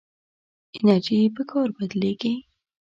انرژي په کار بدلېږي.